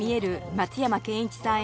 松山ケンイチさん